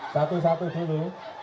satu satu dulu